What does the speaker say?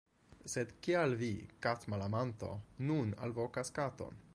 Sed kial vi, katmalamanto, nun alvokas katon?